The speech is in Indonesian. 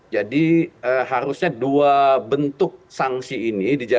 jadi harusnya dua bentuk sanksi ini dijalankan